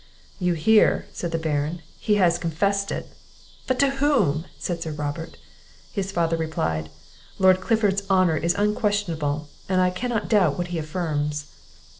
"You hear," said the Baron, "he has confessed it!" "But to whom?" said Sir Robert. His father replied, "Lord Clifford's honour is unquestionable, and I cannot doubt what he affirms."